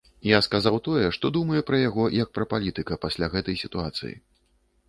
Я сказаў тое, што думаю пра яго, як пра палітыка пасля гэтай сітуацыі.